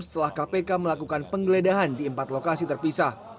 setelah kpk melakukan penggeledahan di empat lokasi terpisah